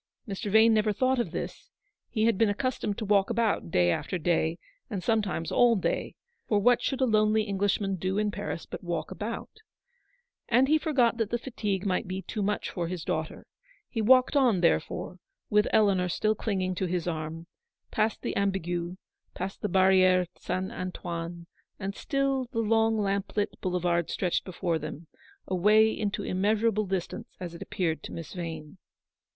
Mr. Vane never thought of this : he had been accustomed to walk about day after day, and sometimes all day — for what should a lonely Englishman do in Paris but walk about ?— and he forgot that the fatigue might be too much for his daughter. He walked on, therefore, with Eleanor still cliuging to his arm ; past the Ambigu, be yond the Barriere St. Antoine ; and still the long lamp lit boulevard stretched before them, away 86 into immeasurable distance, as it appeared to Miss Vane.